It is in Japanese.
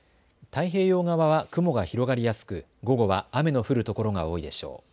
太平洋側は雲が広がりやすく午後は雨の降る所が多いでしょう。